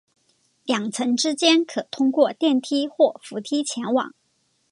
两层之间可通过电梯或扶梯前往。